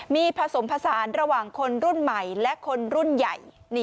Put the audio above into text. มีผสมผสานระหว่างคนรุ่นใหม่และคนรุ่นใหญ่